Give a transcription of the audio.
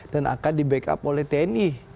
dan akan di backup oleh tni